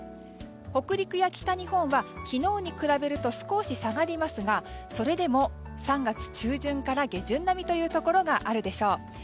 北陸や北日本は昨日に比べると少し下がりますがそれでも３月中旬から下旬並みというところがあるでしょう。